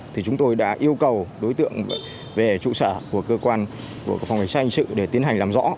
thì chúng tôi đã yêu cầu đối tượng về trụ sở của cơ quan phòng hành xe hành sự để tiến hành làm rõ